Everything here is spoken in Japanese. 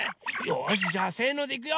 よしじゃあせのでいくよ！